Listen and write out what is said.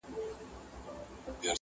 چي په زړه کي څه در تېر نه سي آسمانه؛